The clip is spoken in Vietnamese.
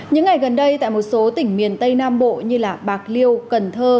những ngày gần đây tại một số tỉnh miền tây nam bộ như bạc liêu cần thơ